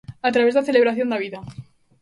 A través da celebración da vida.